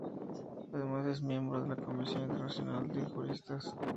Además es miembro de la Comisión Internacional de Juristas.